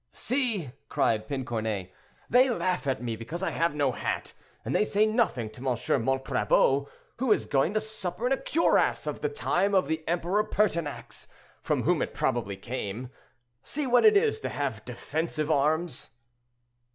"See," cried Pincornay, "they laugh at me because I have no hat, and they say nothing to M. Montcrabeau, who is going to supper in a cuirass of the time of the Emperor Pertinax, from whom it probably came. See what it is to have defensive arms."